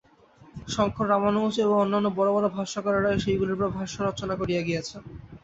শঙ্কর, রামানুজ ও অন্যান্য বড় বড় ভাষ্যকারেরা সেইগুলির উপর ভাষ্য রচনা করিয়া গিয়াছেন।